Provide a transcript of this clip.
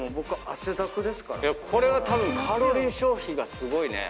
これはカロリー消費がすごいね。